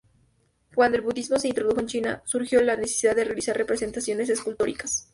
Cuando el budismo se introdujo en China, surgió la necesidad de realizar representaciones escultóricas.